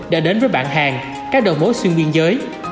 đã đến với bảng hàng các đầu mối xuyên nguyên giới